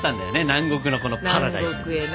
南国のこのパラダイスに。